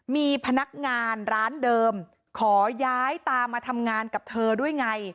มีพนักงานร้านเดิมขอย้ายตามมาทำงานกับเธอด้วยไง